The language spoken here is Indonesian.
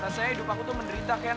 rasanya hidup aku tuh menderita kayak